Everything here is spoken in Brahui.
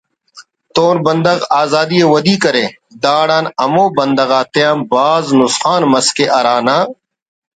تون بندغ آزاری ءِ ودی کرے داڑان ہمو بندغ آتے بھاز نسخان مس کہ ہرانا